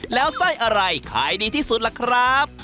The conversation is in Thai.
แล้วไส้อะไรขายดีที่สุดล่ะครับ